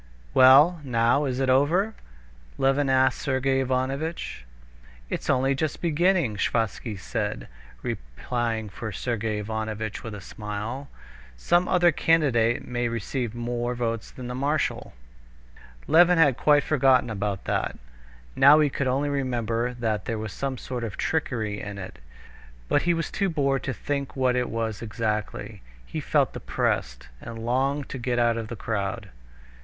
"Well, now is it over?" Levin asked Sergey Ivanovitch. "It's only just beginning," Sviazhsky said, replying for Sergey Ivanovitch with a smile. "Some other candidate may receive more votes than the marshal." Levin had quite forgotten about that. Now he could only remember that there was some sort of trickery in it, but he was too bored to think what it was exactly. He felt depressed, and longed to get out of the crowd.